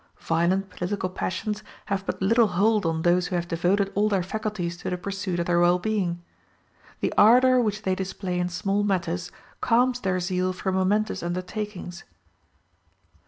Violent political passions have but little hold on those who have devoted all their faculties to the pursuit of their well being. The ardor which they display in small matters calms their zeal for momentous undertakings.